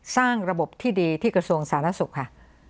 สร้างระบบที่ดีที่กระทรวงศาลนักศึกษ์ค่ะ